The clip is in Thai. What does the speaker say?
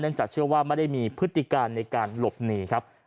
จากเชื่อว่าไม่ได้มีพฤติการในการหลบหนีครับ